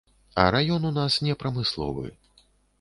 А раён у нас не прамысловы.